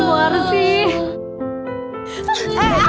mas surya mas surya